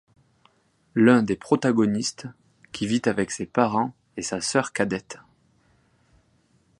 L'un des protagonistes, qui vit avec ses parents et sa sœur cadette.